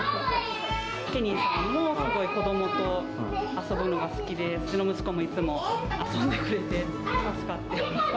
ケニーさんはすごい子どもと遊ぶのが好きで、うちの息子もいつも遊んでくれて、助かってます。